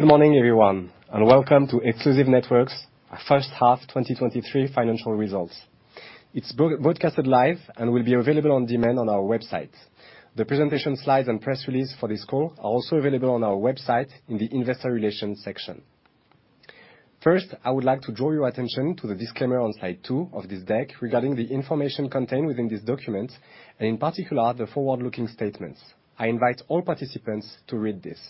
Good morning, everyone, and welcome to Exclusive Networks, our H1 2023 financial results. It's broadcasted live and will be available on demand on our website. The presentation slides and press release for this call are also available on our website in the Investor Relations section. First, I would like to draw your attention to the disclaimer on slide 2 of this deck regarding the information contained within this document, and in particular, the forward-looking statements. I invite all participants to read this.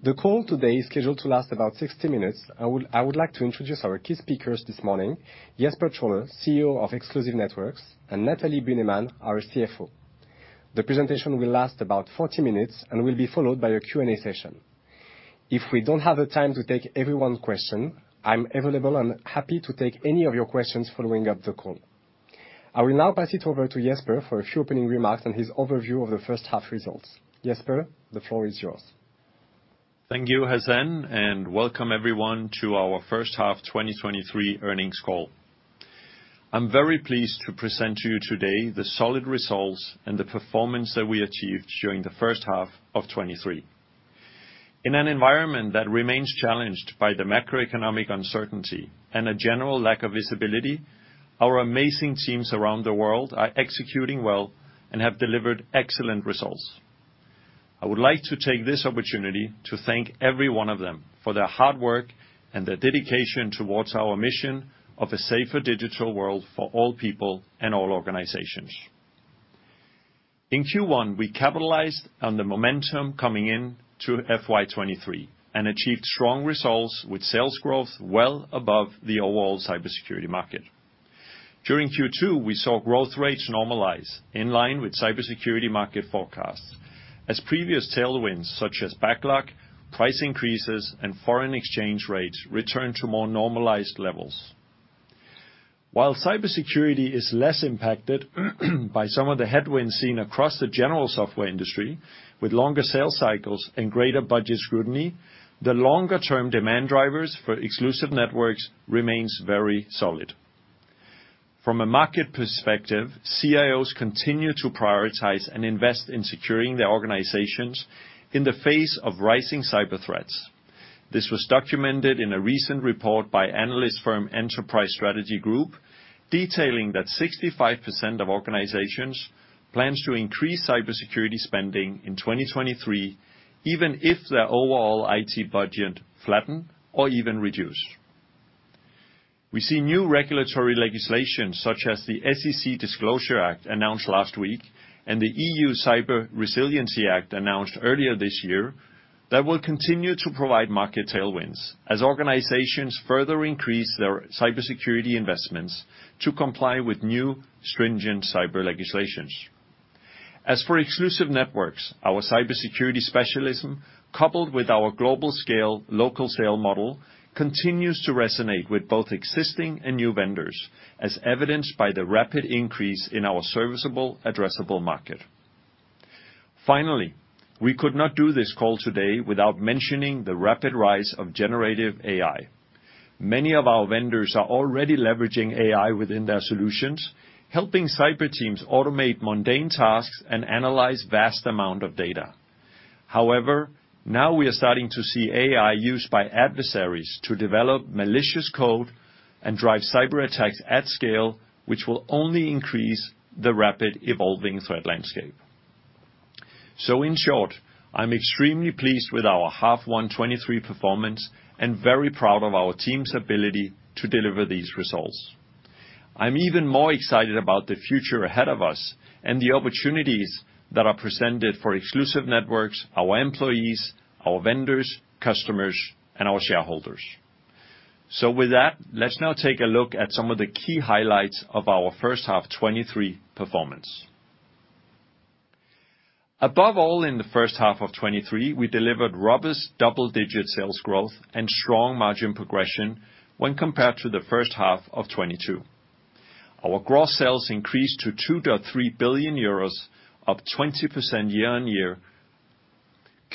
The call today is scheduled to last about 60 minutes. I would like to introduce our key speakers this morning, Jesper Trolle, CEO of Exclusive Networks, and Nathalie Bühnemann, our CFO. The presentation will last about 40 minutes and will be followed by a Q&A session. If we don't have the time to take everyone's question, I'm available and happy to take any of your questions following up the call. I will now pass it over to Jesper for a few opening remarks and his overview of the H1 results. Jesper, the floor is yours. Thank you, Hacene, and welcome everyone to our 1st half 2023 earnings call. I'm very pleased to present to you today the solid results and the performance that we achieved during the 1st half of 2023. In an environment that remains challenged by the macroeconomic uncertainty and a general lack of visibility, our amazing teams around the world are executing well and have delivered excellent results. I would like to take this opportunity to thank every one of them for their hard work and their dedication towards our mission of a safer digital world for all people and all organizations. In Q1, we capitalized on the momentum coming in to FY 2023 and achieved strong results with sales growth well above the overall cybersecurity market. During Q2, we saw growth rates normalize in line with cybersecurity market forecasts, as previous tailwinds, such as backlog, price increases, and foreign exchange rates, returned to more normalized levels. While cybersecurity is less impacted by some of the headwinds seen across the general software industry, with longer sales cycles and greater budget scrutiny, the longer-term demand drivers for Exclusive Networks remains very solid. From a market perspective, CIOs continue to prioritize and invest in securing their organizations in the face of rising cyber threats. This was documented in a recent report by analyst firm Enterprise Strategy Group, detailing that 65% of organizations plans to increase cybersecurity spending in 2023, even if their overall IT budget flatten or even reduce. We see new regulatory legislation, such as the SEC Disclosure Act, announced last week, and the EU Cyber Resilience Act, announced earlier this year, that will continue to provide market tailwinds as organizations further increase their cybersecurity investments to comply with new, stringent cyber legislations. As for Exclusive Networks, our cybersecurity specialism, coupled with our global scale, local sale model, continues to resonate with both existing and new vendors, as evidenced by the rapid increase in our serviceable addressable market. Finally, we could not do this call today without mentioning the rapid rise of generative AI. Many of our vendors are already leveraging AI within their solutions, helping cyber teams automate mundane tasks and analyze vast amount of data. However, now we are starting to see AI used by adversaries to develop malicious code and drive cyberattacks at scale, which will only increase the rapid evolving threat landscape. In short, I'm extremely pleased with our H1 2023 performance and very proud of our team's ability to deliver these results. I'm even more excited about the future ahead of us and the opportunities that are presented for Exclusive Networks, our employees, our vendors, customers, and our shareholders. With that, let's now take a look at some of the key highlights of our H1 2023 performance. Above all, in H1 2023, we delivered robust double-digit sales growth and strong margin progression when compared to H1 2022. Our gross sales increased to 2.3 billion euros, up 20% year-on-year.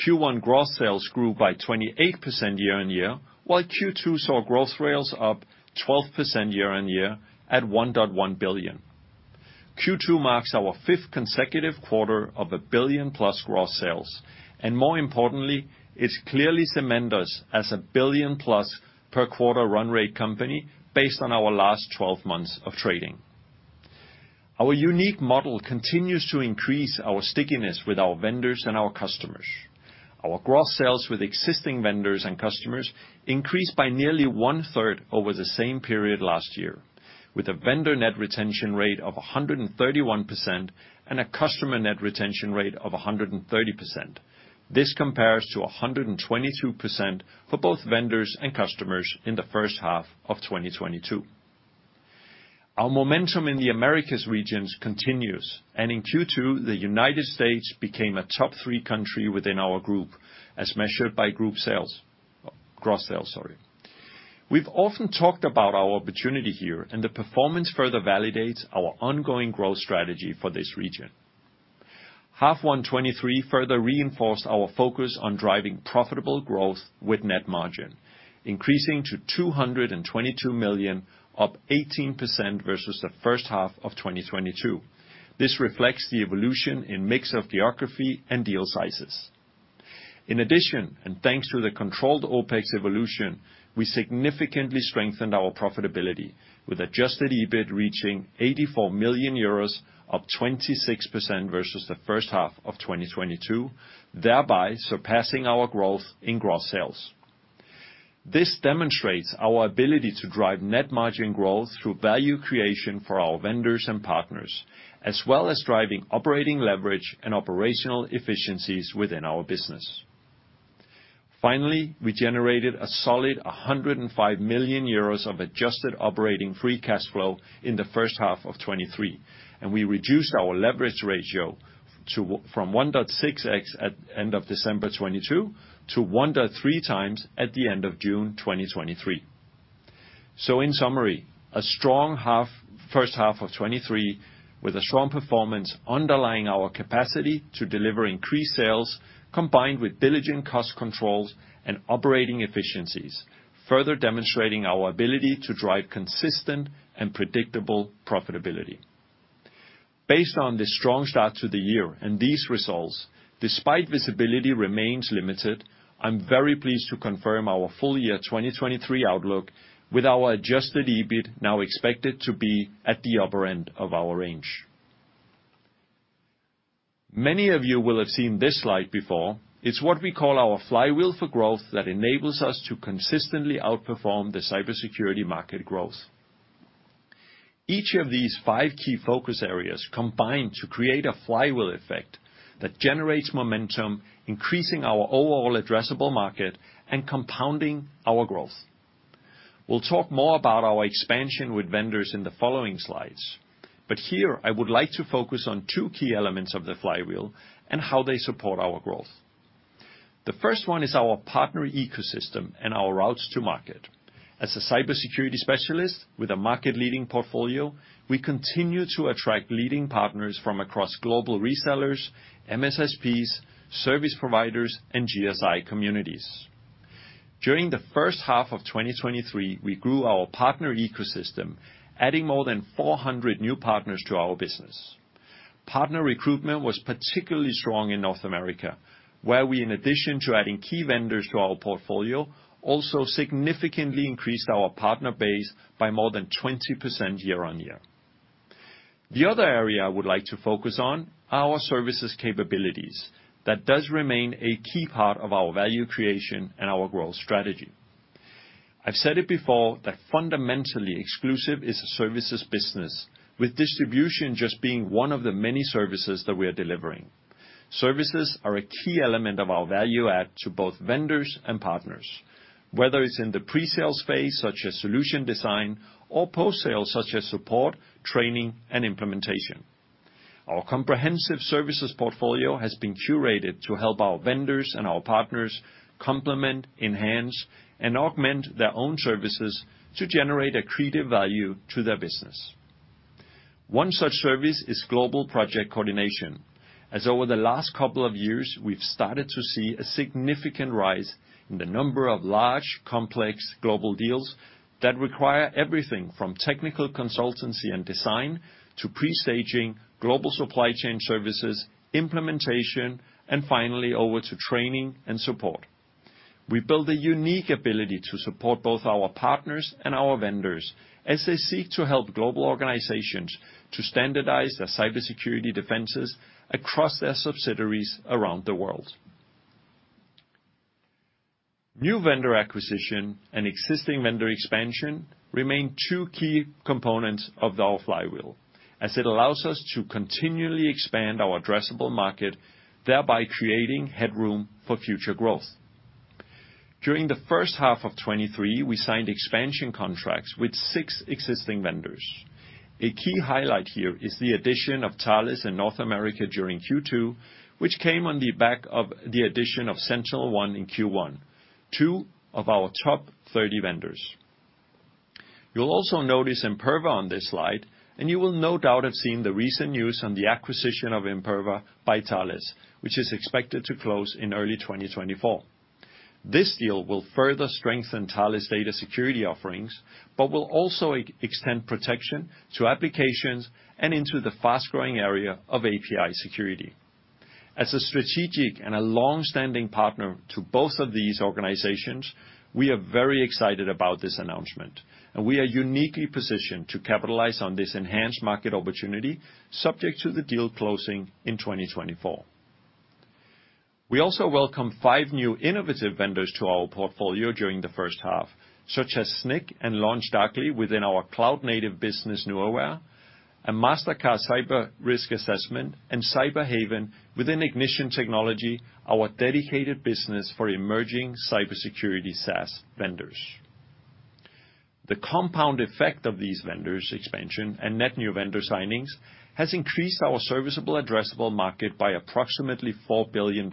Q1 gross sales grew by 28% year-on-year, while Q2 saw growth rates up 12% year-on-year at 1.1 billion. Q2 marks our fifth consecutive quarter of a billion-plus gross sales. More importantly, it clearly cements us as a billion-plus per quarter run rate company based on our last 12 months of trading. Our unique model continues to increase our stickiness with our vendors and our customers. Our gross sales with existing vendors and customers increased by nearly one-third over the same period last year, with a vendor net retention rate of 131% and a customer net retention rate of 130%. This compares to 122% for both vendors and customers in the H1 of 2022. Our momentum in the Americas regions continues. In Q2, the United States became a top three country within our group, as measured by group sales, gross sales, sorry. We've often talked about our opportunity here. The performance further validates our ongoing growth strategy for this region. H1 2023 further reinforced our focus on driving profitable growth with net margin increasing to 222 million, up 18% versus H1 2022. This reflects the evolution in mix of geography and deal sizes. In addition, thanks to the controlled OpEx evolution, we significantly strengthened our profitability, with adjusted EBIT reaching 84 million euros, up 26% versus H1 2022, thereby surpassing our growth in gross sales. This demonstrates our ability to drive net margin growth through value creation for our vendors and partners, as well as driving operating leverage and operational efficiencies within our business. Finally we generated a solid 105 million euros of adjusted operating free cash flow in the H1 of 2023. We reduced our leverage ratio from 1.6x at end of December 2022 to 1.3x at the end of June 2023. In summary, a strong half, H1 of 2023, with a strong performance underlying our capacity to deliver increased sales, combined with diligent cost controls and operating efficiencies, further demonstrating our ability to drive consistent and predictable profitability. Based on this strong start to the year and these results, despite visibility remains limited, I'm very pleased to confirm our full year 2023 outlook, with our adjusted EBIT now expected to be at the upper end of our range. Many of you will have seen this slide before. It's what we call our flywheel for growth that enables us to consistently outperform the cybersecurity market growth. Each of these 5 key focus areas combine to create a flywheel effect that generates momentum, increasing our overall addressable market and compounding our growth. We'll talk more about our expansion with vendors in the following slides, but here I would like to focus on 2 key elements of the flywheel and how they support our growth. The first one is our partner ecosystem and our routes to market. As a cybersecurity specialist with a market-leading portfolio, we continue to attract leading partners from across global resellers, MSSPs, service providers, and GSI communities. During the H1 of 2023, we grew our partner ecosystem, adding more than 400 new partners to our business. Partner recruitment was particularly strong in North America, where we, in addition to adding key vendors to our portfolio, also significantly increased our partner base by more than 20% year-on-year. The other area I would like to focus on, our services capabilities. That does remain a key part of our value creation and our growth strategy. I've said it before, that fundamentally, Exclusive is a services business, with distribution just being one of the many services that we are delivering. Services are a key element of our value add to both vendors and partners, whether it's in the pre-sales phase, such as solution design, or post-sales, such as support, training, and implementation. Our comprehensive services portfolio has been curated to help our vendors and our partners complement, enhance, and augment their own services to generate accretive value to their business. One such service is global project coordination. As over the last couple of years, we've started to see a significant rise in the number of large, complex global deals that require everything from technical consultancy and design to pre-staging, global supply chain services, implementation, and finally, over to training and support. We built a unique ability to support both our partners and our vendors as they seek to help global organizations to standardize their cybersecurity defenses across their subsidiaries around the world. New vendor acquisition and existing vendor expansion remain two key components of our flywheel, as it allows us to continually expand our addressable market, thereby creating headroom for future growth. During the H1 of 2023, we signed expansion contracts with six existing vendors. A key highlight here is the addition of Thales in North America during Q2, which came on the back of the addition of SentinelOne in Q1, two of our top 30 vendors. You'll also notice Imperva on this slide, and you will no doubt have seen the recent news on the acquisition of Imperva by Thales, which is expected to close in early 2024. This deal will further strengthen Thales' data security offerings, but will also extend protection to applications and into the fast-growing area of API security. As a strategic and a long-standing partner to both of these organizations, we are very excited about this announcement, and we are uniquely positioned to capitalize on this enhanced market opportunity, subject to the deal closing in 2024. We also welcome five new innovative vendors to our portfolio during the H1, such as Snyk and LaunchDarkly within our cloud-native business, Neuware, and Mastercard Cyber Risk Assessment and Cyberhaven within Ignition Technology, our dedicated business for emerging cybersecurity SaaS vendors. The compound effect of these vendors expansion and net new vendor signings has increased our serviceable addressable market by approximately $4 billion in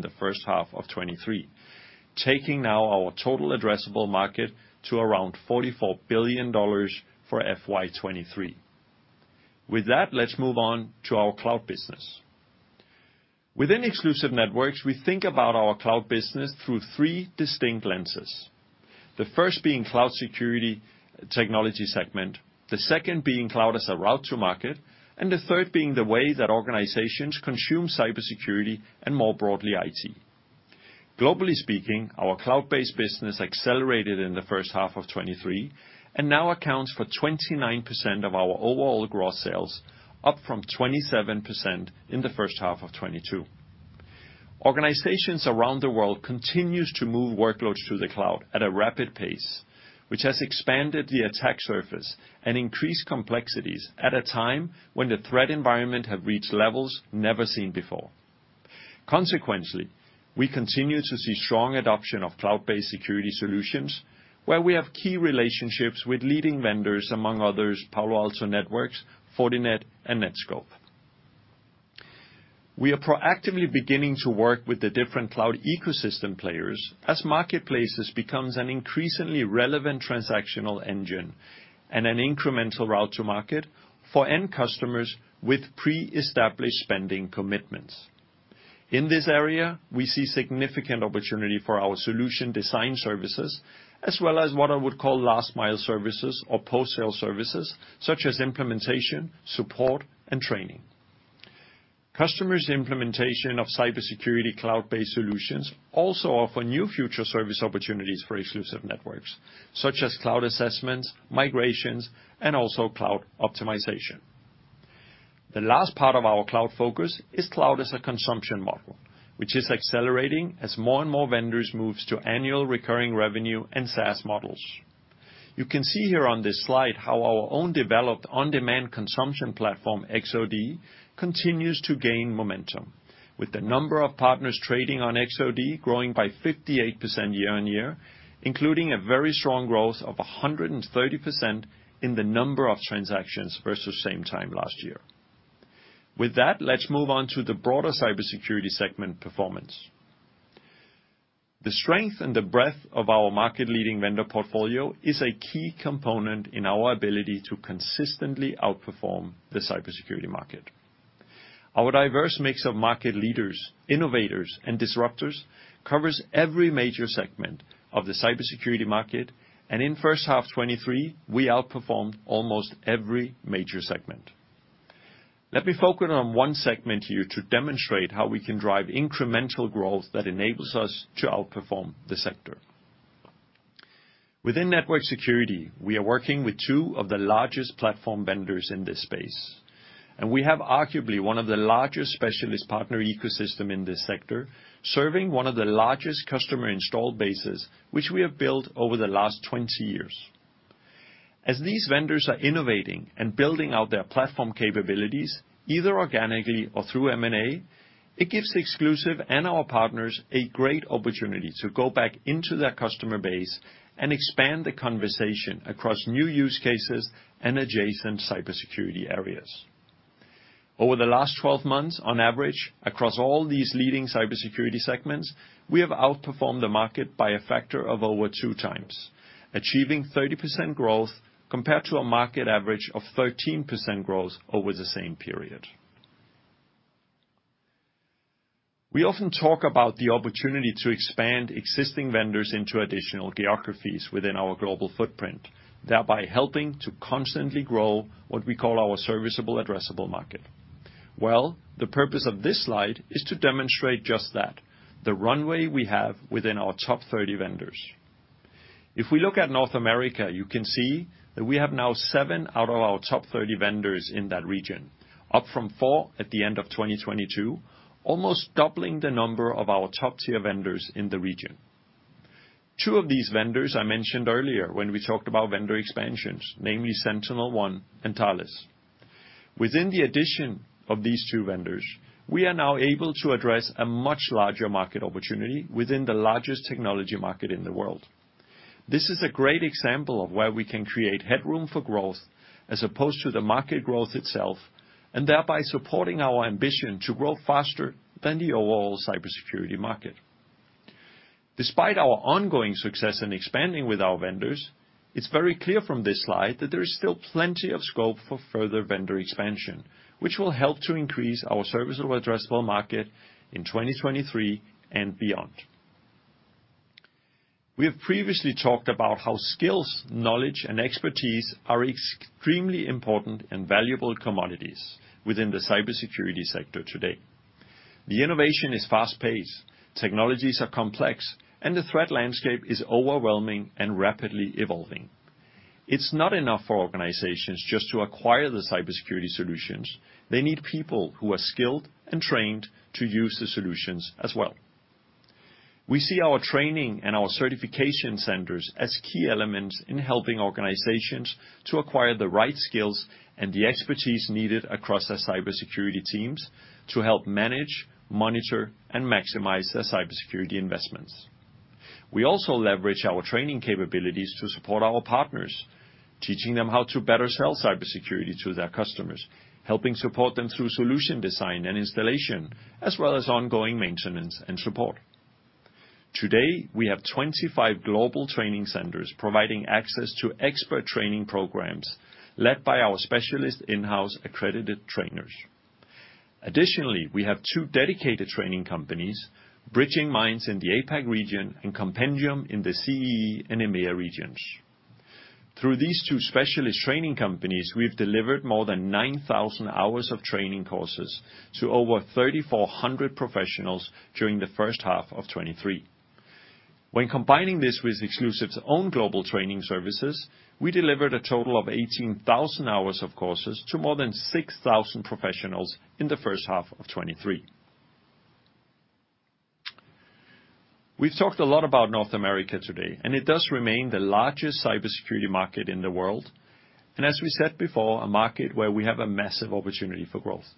the H1 of 2023, taking now our total addressable market to around $44 billion for FY 2023. With that, let's move on to our cloud business. Within Exclusive Networks, we think about our cloud business through three distinct lenses. The first being cloud security technology segment, the second being cloud as a route to market, and the third being the way that organizations consume cybersecurity, and more broadly, IT. Globally speaking, our cloud-based business accelerated in the H1 of 2023, and now accounts for 29% of our overall gross sales, up from 27% in the H1 of 2022. Organizations around the world continue to move workloads to the cloud at a rapid pace, which has expanded the attack surface and increased complexities at a time when the threat environment has reached levels never seen before. Consequently, we continue to see strong adoption of cloud-based security solutions, where we have key relationships with leading vendors, among others, Palo Alto Networks, Fortinet, and Netskope. We are proactively beginning to work with the different cloud ecosystem players, as marketplaces become an increasingly relevant transactional engine and an incremental route to market for end customers with pre-established spending commitments. In this area, we see significant opportunity for our solution design services, as well as what I would call last mile services or post-sale services, such as implementation, support, and training. Customers' implementation of cybersecurity cloud-based solutions also offer new future service opportunities for Exclusive Networks, such as cloud assessments, migrations, and also cloud optimization. The last part of our cloud focus is cloud as a consumption model, which is accelerating as more and more vendors moves to annual recurring revenue and SaaS models. You can see here on this slide how our own developed on-demand consumption platform, XOD, continues to gain momentum, with the number of partners trading on XOD growing by 58% year-on-year, including a very strong growth of 130% in the number of transactions versus same time last year. With that, let's move on to the broader cybersecurity segment performance. The strength and the breadth of our market-leading vendor portfolio is a key component in our ability to consistently outperform the cybersecurity market. Our diverse mix of market leaders, innovators, and disruptors covers every major segment of the cybersecurity market, and in H1 2023, we outperformed almost every major segment. Let me focus on one segment here to demonstrate how we can drive incremental growth that enables us to outperform the sector. Within network security, we are working with two of the largest platform vendors in this space, and we have arguably one of the largest specialist partner ecosystem in this sector, serving one of the largest customer installed bases, which we have built over the last 20 years. As these vendors are innovating and building out their platform capabilities, either organically or through M&A, it gives Exclusive and our partners a great opportunity to go back into their customer base and expand the conversation across new use cases and adjacent cybersecurity areas. Over the last 12 months, on average, across all these leading cybersecurity segments, we have outperformed the market by a factor of over 2 times, achieving 30% growth compared to a market average of 13% growth over the same period. We often talk about the opportunity to expand existing vendors into additional geographies within our global footprint, thereby helping to constantly grow what we call our serviceable addressable market. Well, the purpose of this slide is to demonstrate just that, the runway we have within our top 30 vendors. If we look at North America, you can see that we have now seven out of our top 30 vendors in that region, up from four at the end of 2022, almost doubling the number of our top-tier vendors in the region. Two of these vendors I mentioned earlier when we talked about vendor expansions, namely SentinelOne and Thales. Within the addition of these two vendors, we are now able to address a much larger market opportunity within the largest technology market in the world. This is a great example of where we can create headroom for growth, as opposed to the market growth itself, and thereby supporting our ambition to grow faster than the overall cybersecurity market. Despite our ongoing success in expanding with our vendors, it's very clear from this slide that there is still plenty of scope for further vendor expansion, which will help to increase our serviceable addressable market in 2023 and beyond. We have previously talked about how skills, knowledge, and expertise are extremely important and valuable commodities within the cybersecurity sector today. The innovation is fast-paced, technologies are complex, and the threat landscape is overwhelming and rapidly evolving. It's not enough for organizations just to acquire the cybersecurity solutions. They need people who are skilled and trained to use the solutions as well. We see our training and our certification centers as key elements in helping organizations to acquire the right skills and the expertise needed across their cybersecurity teams to help manage, monitor, and maximize their cybersecurity investments. We also leverage our training capabilities to support our partners, teaching them how to better sell cybersecurity to their customers, helping support them through solution design and installation, as well as ongoing maintenance and support. Today, we have 25 global training centers providing access to expert training programs led by our specialist in-house accredited trainers. Additionally, we have 2 dedicated training companies, BridgingMinds in the APAC region and Comptia in the CEE and EMEA regions. Through these 2 specialist training companies, we've delivered more than 9,000 hours of training courses to over 3,400 professionals during the H1 of 2023. When combining this with Exclusive's own global training services, we delivered a total of 18,000 hours of courses to more than 6,000 professionals in the H1 of 2023. We've talked a lot about North America today, it does remain the largest cybersecurity market in the world, as we said before, a market where we have a massive opportunity for growth.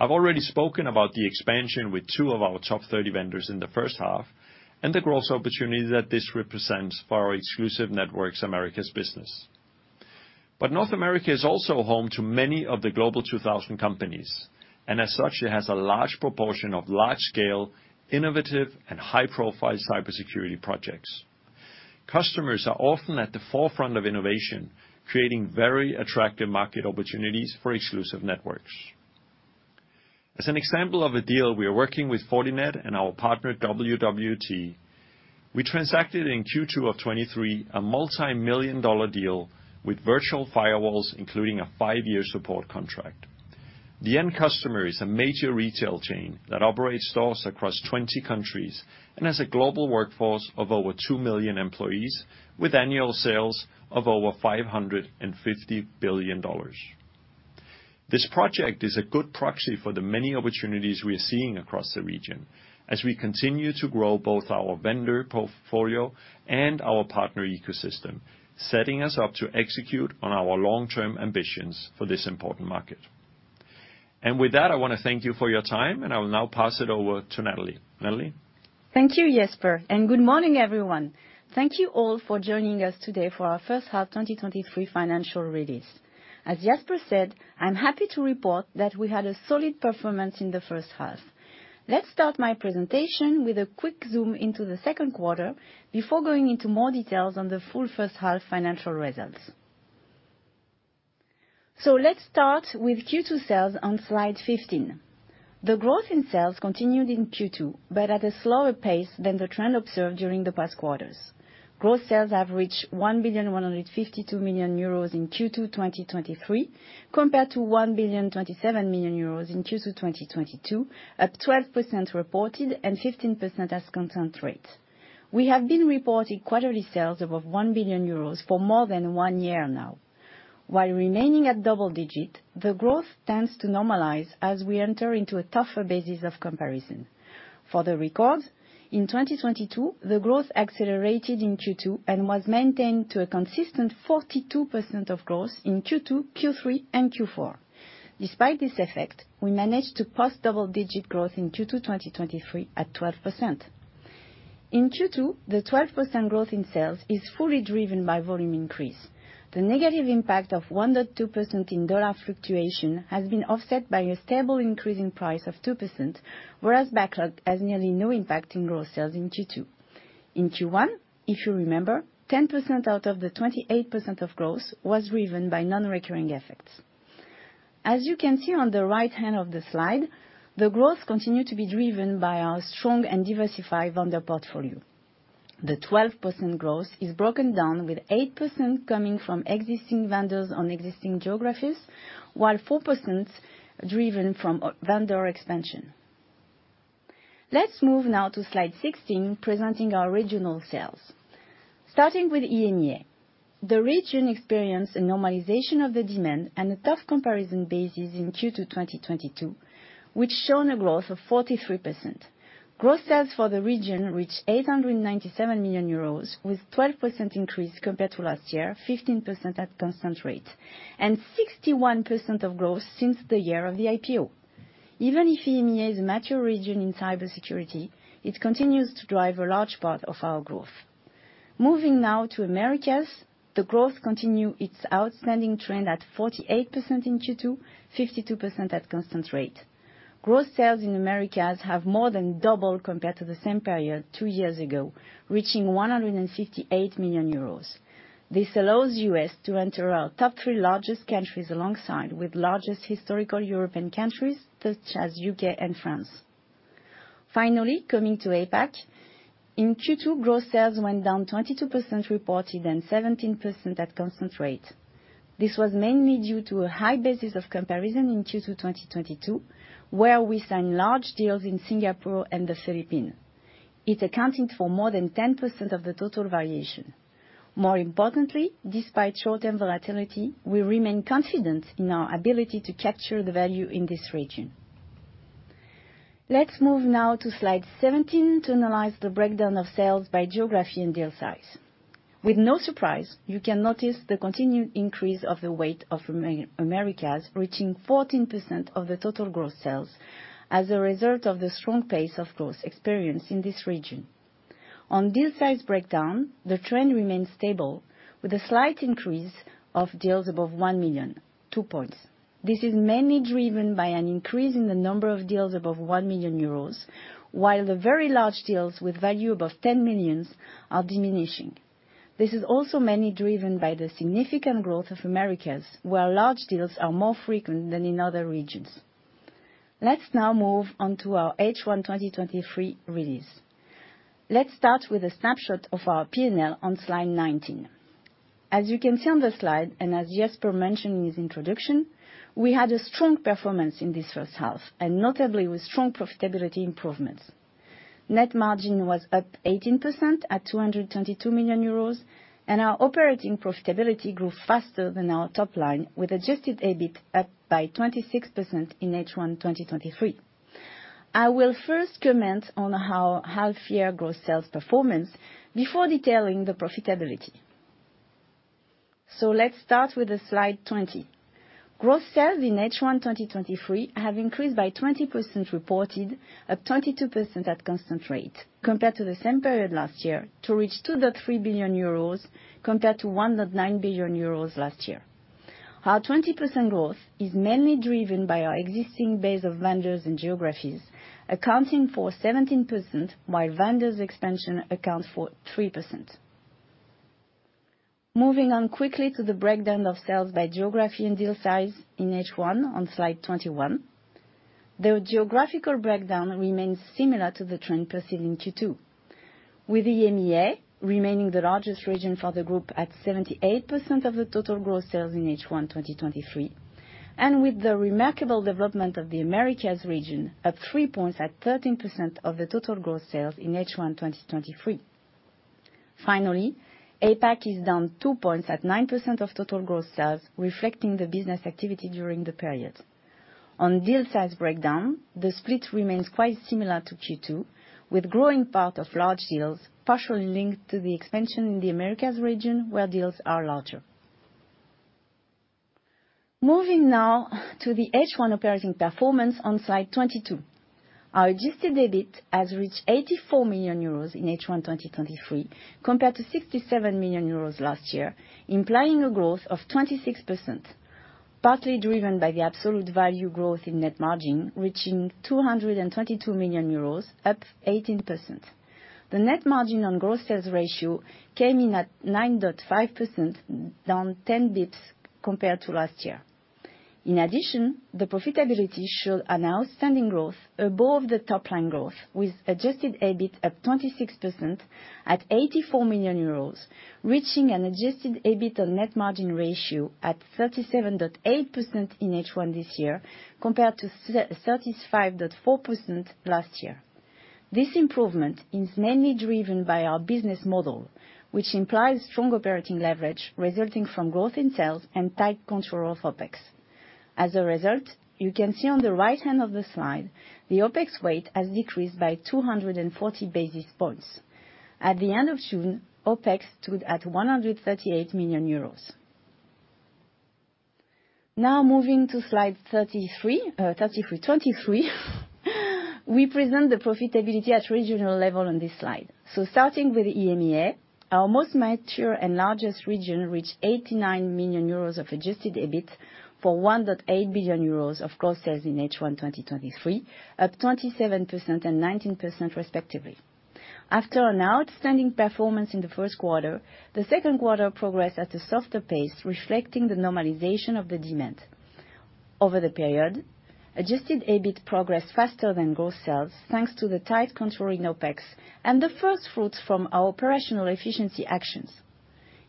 I've already spoken about the expansion with 2 of our top 30 vendors in the H1, the growth opportunity that this represents for our Exclusive Networks Americas business. North America is also home to many of the Global 2000 companies, as such, it has a large proportion of large-scale, innovative, and high-profile cybersecurity projects. Customers are often at the forefront of innovation, creating very attractive market opportunities for Exclusive Networks. As an example of a deal, we are working with Fortinet and our partner, WWT. We transacted in Q2 of 2023, a multimillion-dollar deal with virtual firewalls, including a 5-year support contract. The end customer is a major retail chain that operates stores across 20 countries, and has a global workforce of over 2 million employees, with annual sales of over $550 billion. This project is a good proxy for the many opportunities we are seeing across the region, as we continue to grow both our vendor portfolio and our partner ecosystem, setting us up to execute on our long-term ambitions for this important market. With that, I want to thank you for your time, and I will now pass it over to Nathalie. Nathalie? Thank you, Jesper. Good morning, everyone. Thank you all for joining us today for our H1 2023 financial release. As Jesper said, I'm happy to report that we had a solid performance in the H1. Let's start my presentation with a quick zoom into the Q2, before going into more details on the full H1 financial results. Let's start with Q2 sales on slide 15. The growth in sales continued in Q2, but at a slower pace than the trend observed during the past quarters. Growth sales have reached 1,152 million euros in Q2 2023, compared to 1,027 million euros in Q2 2022, up 12% reported and 15% as constant rate. We have been reporting quarterly sales above 1 billion euros for more than one year now. While remaining at double-digit, the growth tends to normalize as we enter into a tougher basis of comparison. For the record, in 2022, the growth accelerated in Q2 and was maintained to a consistent 42% of growth in Q2, Q3 and Q4. Despite this effect, we managed to post double-digit growth in Q2, 2023 at 12%. In Q2, the 12% growth in sales is fully driven by volume increase. The negative impact of 1.2% in dollar fluctuation has been offset by a stable increase in price of 2%, whereas backlog has nearly no impact in growth sales in Q2. In Q1, if you remember, 10% out of the 28% of growth was driven by non-recurring effects. As you can see on the right hand of the slide, the growth continued to be driven by our strong and diversified vendor portfolio. The 12% growth is broken down, with 8% coming from existing vendors on existing geographies, while 4% driven from vendor expansion. Let's move now to slide 16, presenting our regional sales. Starting with EMEA, the region experienced a normalization of the demand and a tough comparison basis in Q2 2022, which shown a growth of 43%. Growth sales for the region reached 897 million euros, with 12% increase compared to last year, 15% at constant rate, and 61% of growth since the year of the IPO. Even if EMEA is a mature region in cybersecurity, it continues to drive a large part of our growth. Moving now to Americas. The growth continue its outstanding trend at 48% in Q2, 52% at constant rate. Growth sales in Americas have more than doubled compared to the same period 2 years ago, reaching 158 million euros. This allows US to enter our top 3 largest countries, alongside with largest historical European countries such as UK and France. Finally, coming to APAC. In Q2, growth sales went down 22% reported, and 17% at constant rate. This was mainly due to a high basis of comparison in Q2 2022, where we signed large deals in Singapore and the Philippines. It accounted for more than 10% of the total variation. More importantly, despite short-term volatility, we remain confident in our ability to capture the value in this region. Let's move now to slide 17 to analyze the breakdown of sales by geography and deal size. With no surprise, you can notice the continued increase of the weight of Americas, reaching 14% of the total growth sales as a result of the strong pace of growth experienced in this region. On deal size breakdown, the trend remains stable, with a slight increase of deals above 1 million, 2 points. This is mainly driven by an increase in the number of deals above 1 million euros, while the very large deals with value above 10 million are diminishing. This is also mainly driven by the significant growth of Americas, where large deals are more frequent than in other regions. Let's now move on to our H1 2023 release. Let's start with a snapshot of our P&L on slide 19. As you can see on the slide, and as Jesper mentioned in his introduction, we had a strong performance in this H1, and notably with strong profitability improvements. Net margin was up 18% at 222 million euros, and our operating profitability grew faster than our top line, with adjusted EBIT up by 26% in H1 2023. I will first comment on our half-year growth sales performance before detailing the profitability. Let's start with the slide 20. Gross sales in H1 2023 have increased by 20% reported, up 22% at constant rate compared to the same period last year, to reach 2.3 billion euros, compared to 1.9 billion euros last year. Our 20% growth is mainly driven by our existing base of vendors and geographies, accounting for 17%, while vendors expansion accounts for 3%. Moving on quickly to the breakdown of sales by geography and deal size in H1 on slide 21. The geographical breakdown remains similar to the trend preceding Q2, with EMEA remaining the largest region for the group at 78% of the total growth sales in H1 2023, and with the remarkable development of the Americas region, up 3 points at 13% of the total growth sales in H1 2023. Finally, APAC is down 2 points at 9% of total growth sales, reflecting the business activity during the period. On deal size breakdown, the split remains quite similar to Q2, with growing part of large deals partially linked to the expansion in the Americas region, where deals are larger. Moving now to the H1 operating performance on slide 22. Our adjusted EBIT has reached 84 million euros in H1 2023, compared to 67 million euros last year, implying a growth of 26%, partly driven by the absolute value growth in net margin, reaching 222 million euros, up 18%. The net margin on gross sales ratio came in at 9.5%, down 10 basis points compared to last year. In addition, the profitability showed an outstanding growth above the top line growth, with adjusted EBIT up 26% at 84 million euros, reaching an adjusted EBIT on net margin ratio at 37.8% in H1 this year, compared to 35.4% last year. This improvement is mainly driven by our business model, which implies strong operating leverage resulting from growth in sales, and tight control of OpEx. You can see on the right-hand of the slide, the OpEx rate has decreased by 240 basis points. At the end of June, OpEx stood at 138 million euros. Moving to slide 23, we present the profitability at regional level on this slide. Starting with the EMEA, our most mature and largest region, reached 89 million euros of adjusted EBIT for 1.8 billion euros of gross sales in H1 2023, up 27% and 19% respectively. After an outstanding performance in the first quarter, the Q2 progressed at a softer pace, reflecting the normalization of the demand. Over the period, adjusted EBIT progressed faster than growth sales, thanks to the tight control in OpEx, and the first fruits from our operational efficiency actions.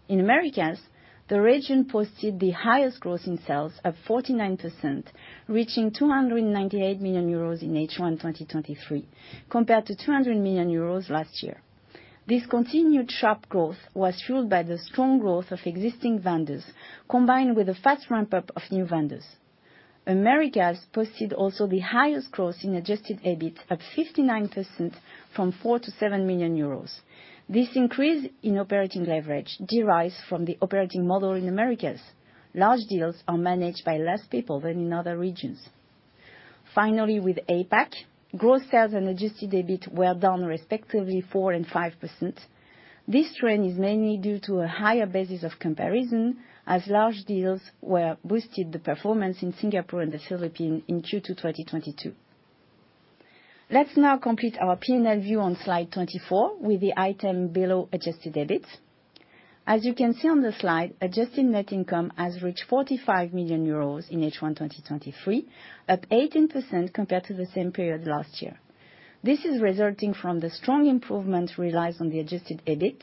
In Americas, the region posted the highest growth in sales of 49%, reaching 298 million euros in H1 2023, compared to 200 million euros last year. This continued sharp growth was fueled by the strong growth of existing vendors, combined with a fast ramp-up of new vendors. Americas posted also the highest growth in adjusted EBIT, up 59% from 4 million-7 million euros. This increase in operating leverage derives from the operating model in Americas. Large deals are managed by less people than in other regions. Finally, with APAC, growth sales and adjusted EBIT were down respectively 4% and 5%. This trend is mainly due to a higher basis of comparison, as large deals were boosted the performance in Singapore and the Philippines in Q2 2022. Let's now complete our P&L view on slide 24 with the item below adjusted EBIT. As you can see on the slide, adjusted net income has reached 45 million euros in H1 2023, up 18% compared to the same period last year. This is resulting from the strong improvement realized on the adjusted EBIT,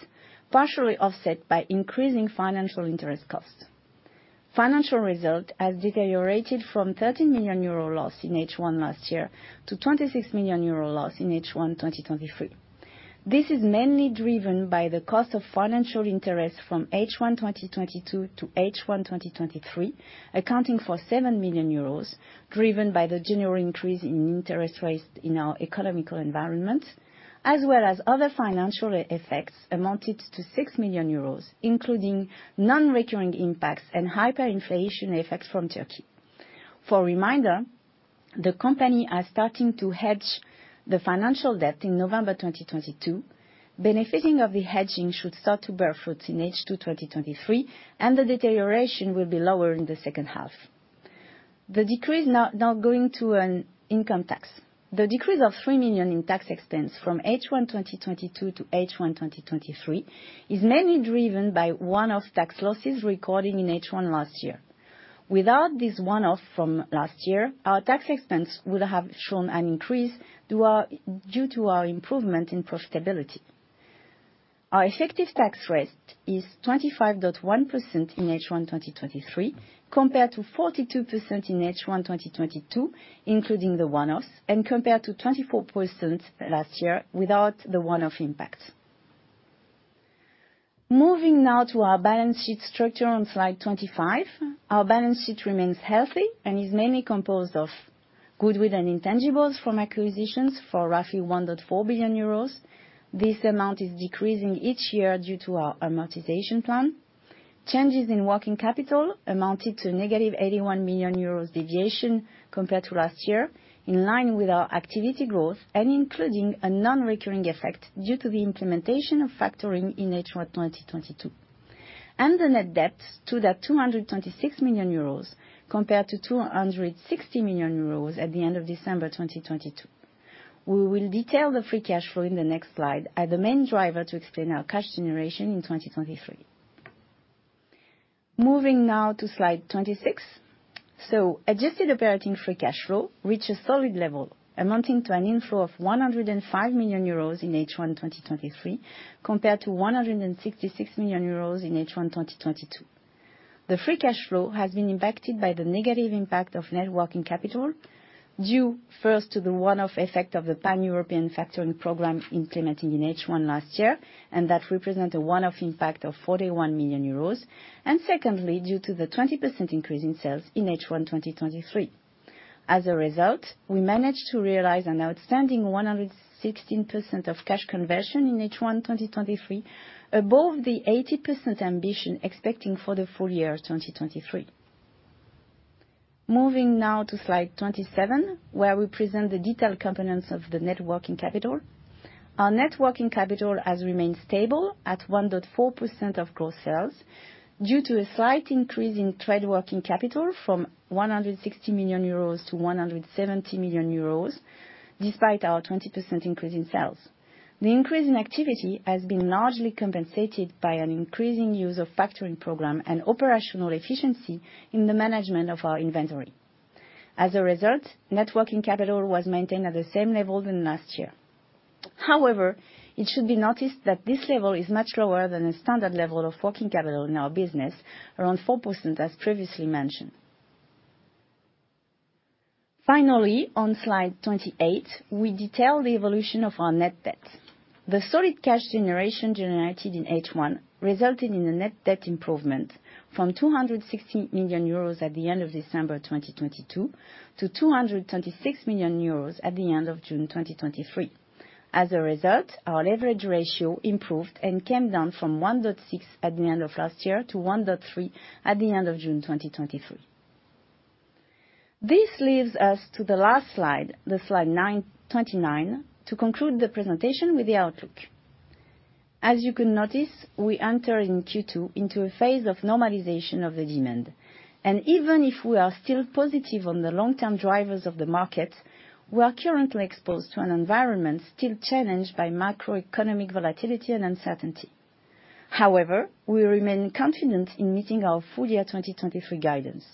partially offset by increasing financial interest costs. Financial result has deteriorated from 13 million euro loss in H1 last year to 26 million euro loss in H1 2023. This is mainly driven by the cost of financial interest from H1 2022 to H1 2023, accounting for 7 million euros, driven by the general increase in interest rates in our economic environment, as well as other financial effects amounted to 6 million euros, including non-recurring impacts and hyperinflation effects from Turkey. For reminder, the company are starting to hedge the financial debt in November 2022. Benefiting of the hedging should start to bear fruit in H2 2023. The deterioration will be lower in the H2. The decrease now going to an income tax. The decrease of 3 million in tax expense from H1 2022 to H1 2023, is mainly driven by one-off tax losses recording in H1 last year. Without this one-off from last year, our tax expense would have shown an increase due to our improvement in profitability. Our effective tax rate is 25.1% in H1 2023, compared to 42% in H1 2022, including the one-offs, and compared to 24% last year without the one-off impact. Moving now to our balance sheet structure on slide 25. Our balance sheet remains healthy and is mainly composed of goodwill and intangibles from acquisitions for roughly 1.4 billion euros. This amount is decreasing each year due to our amortization plan. Changes in working capital amounted to negative 81 million euros deviation compared to last year, in line with our activity growth and including a non-recurring effect due to the implementation of factoring in H1 2022. The net debt stood at 226 million euros compared to 260 million euros at the end of December 2022. We will detail the free cash flow in the next slide, as the main driver to explain our cash generation in 2023. Moving now to slide 26. Adjusted operating free cash flow reached a solid level, amounting to an inflow of 105 million euros in H1 2023, compared to 166 million euros in H1 2022. The free cash flow has been impacted by the negative impact of net working capital, due first to the one-off effect of the Pan-European factoring program implemented in H1 last year, that represent a one-off impact of 41 million euros. Secondly, due to the 20% increase in sales in H1 2023. As a result, we managed to realize an outstanding 116% of cash conversion in H1 2023, above the 80% ambition expecting for the full year 2023. Moving now to slide 27, where we present the detailed components of the net working capital. Our net working capital has remained stable at 1.4% of gross sales, due to a slight increase in trade working capital from 160 million euros to 170 million euros, despite our 20% increase in sales. The increase in activity has been largely compensated by an increasing use of factoring program and operational efficiency in the management of our inventory. As a result, net working capital was maintained at the same level than last year. However, it should be noticed that this level is much lower than the standard level of working capital in our business, around 4%, as previously mentioned. Finally, on slide 28, we detail the evolution of our net debt. The solid cash generation generated in H1 resulted in a net debt improvement from 260 million euros at the end of December 2022, to 226 million euros at the end of June 2023. As a result, our leverage ratio improved and came down from 1.6 at the end of last year to 1.3 at the end of June 2023. This leaves us to the last slide, the slide 29, to conclude the presentation with the outlook. As you can notice, we enter in Q2 into a phase of normalization of the demand, even if we are still positive on the long-term drivers of the market, we are currently exposed to an environment still challenged by macroeconomic volatility and uncertainty. However, we remain confident in meeting our full year 2023 guidance.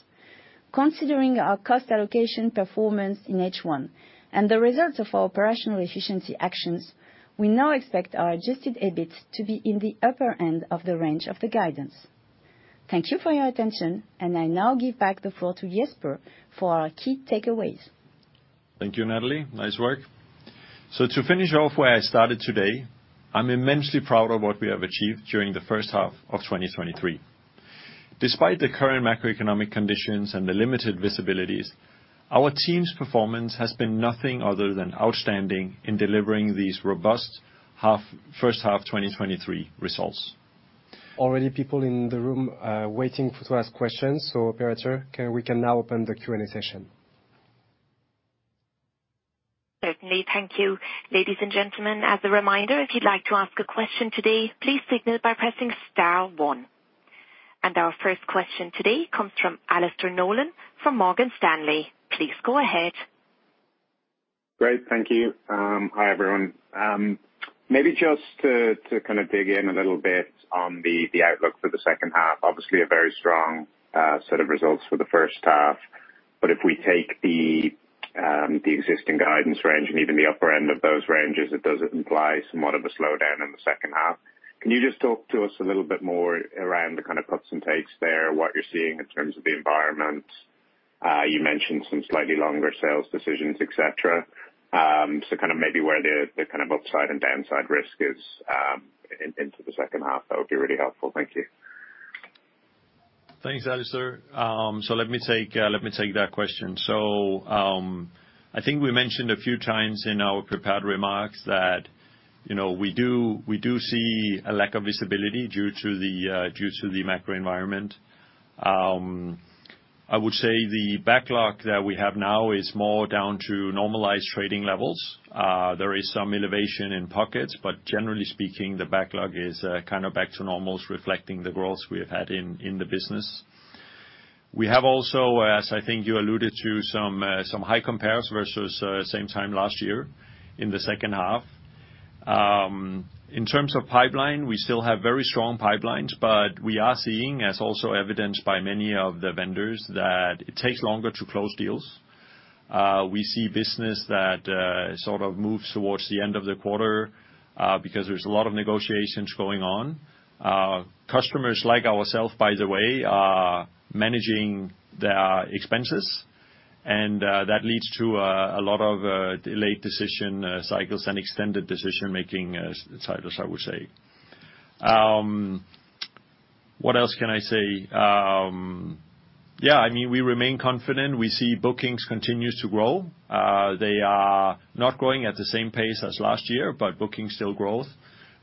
Considering our cost allocation performance in H1, the results of our operational efficiency actions, we now expect our adjusted EBIT to be in the upper end of the range of the guidance. Thank you for your attention, I now give back the floor to Jesper for our key takeaways. Thank you, Nathalie. Nice work. To finish off where I started today, I'm immensely proud of what we have achieved during the H1 of 2023. Despite the current macroeconomic conditions and the limited visibilities, our team's performance has been nothing other than outstanding in delivering these robust H1f 2023 results. Already, people in the room, waiting to ask questions. Operator, we can now open the Q&A session. Certainly. Thank you. Ladies and gentlemen, as a reminder, if you'd like to ask a question today, please signal by pressing star one. Our first question today comes from Alastair Nolan from Morgan Stanley. Please go ahead. Great, thank you. Hi, everyone. Maybe just to, to kind of dig in a little bit on the, the outlook for the H2. Obviously, a very strong set of results for the H1, but if we take the existing guidance range and even the upper end of those ranges, it does imply somewhat of a slowdown in the H2. Can you just talk to us a little bit more around the kind of puts and takes there, what you're seeing in terms of the environment? You mentioned some slightly longer sales decisions, et cetera. So kind of maybe where the, the kind of upside and downside risk is in, into the H2, that would be really helpful? Thank you. Thanks, Alastair. Let me take, let me take that question. I think we mentioned a few times in our prepared remarks that, you know, we do, we do see a lack of visibility due to the due to the macro environment. I would say the backlog that we have now is more down to normalized trading levels. There is some elevation in pockets, but generally speaking, the backlog is kind of back to normal, reflecting the growth we have had in, in the business. We have also, as I think you alluded to, some high compares versus same time last year in the H2. In terms of pipeline, we still have very strong pipelines, but we are seeing, as also evidenced by many of the vendors, that it takes longer to close deals. We see business that sort of moves towards the end of the quarter, because there's a lot of negotiations going on. Customers like ourselves, by the way, are managing their expenses, and that leads to a lot of delayed decision cycles and extended decision-making cycles, I would say. What else can I say? Yeah, I mean, we remain confident. We see bookings continues to grow. They are not growing at the same pace as last year, but bookings still grows.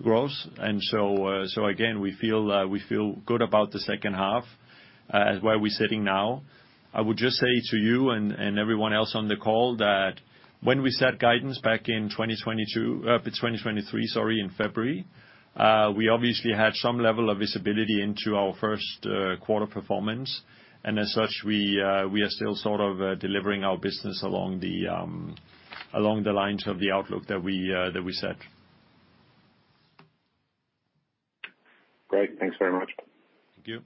So again, we feel we feel good about the H2 where we're sitting now. I would just say to you and, and everyone else on the call, that when we set guidance back in 2022, 2023, sorry, in February, we obviously had some level of visibility into our first quarter performance, and as such, we are still sort of delivering our business along the along the lines of the outlook that we that we set. Great. Thanks very much. Thank you.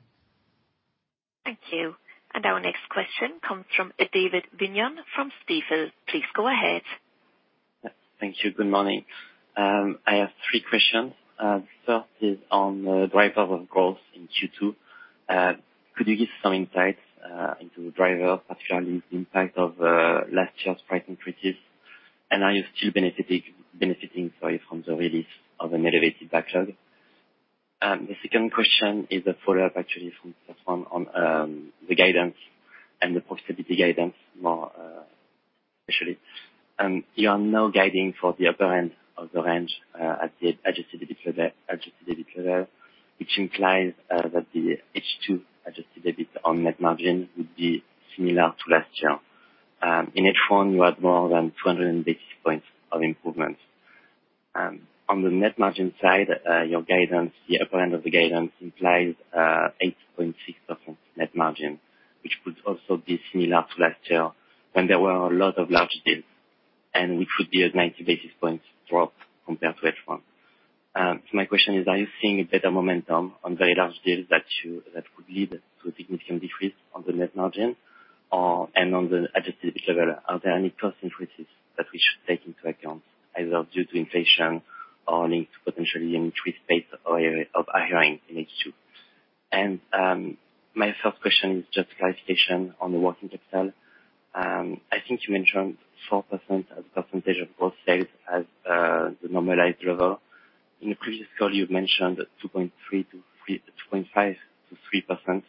Thank you. Our next question comes from David Vignon from Stifel. Please go ahead. Thank you. Good morning. I have three questions. First is on the drivers of growth in Q2. Could you give some insights into the drivers, particularly the impact of last year's price increases? Are you still benefiting, sorry, from the release of the motivated backlog? The second question is a follow-up, actually, from first one on the guidance and the profitability guidance more, actually. You are now guiding for the upper end of the range at the adjusted EBITDA, which implies that the H2 adjusted EBIT on net margin would be similar to last year. In H1, you had more than 280 points of improvement. On the net margin side, your guidance, the upper end of the guidance implies 8.6% net margin, which would also be similar to last year when there were a lot of large deals, and which would be a 90 basis points drop compared to H1. My question is: Are you seeing a better momentum on very large deals that would lead to a significant decrease on the net margin? On the adjusted EBITDA, are there any cost increases that we should take into account, either due to inflation or linked to potentially an increased pace of hiring in H2? My third question is just clarification on the working capital. I think you mentioned 4% as a percentage of both sales as the normalized level. In the previous call, you've mentioned that 2.3-3... 2.5%-3%.